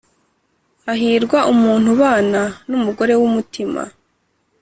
Hahirwa umuntu ubana n’umugore w’umutima,